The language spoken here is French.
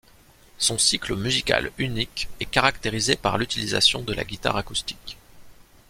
Son style musical unique est caractérisé par l'utilisation de la guitare acoustique.